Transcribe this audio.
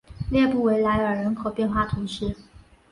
列布维莱尔人口变化图示